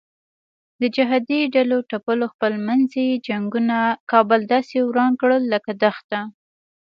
د جهادي ډلو ټپلو خپل منځي جنګونو کابل داسې وران کړ لکه دښته.